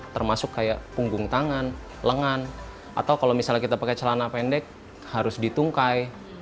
termasuk kayak punggung tangan lengan atau kalau misalnya kita pakai celana pendek harus ditungkai